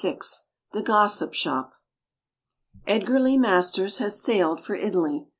THE GOSSIP SHOP Edgar Lee Masters has sailed for Italy.